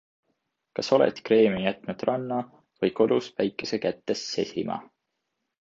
Kas oled kreemi jätnud ranna või kodus päikese kätte sesima?